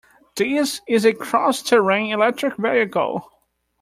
This is a cross-terrain electric vehicle.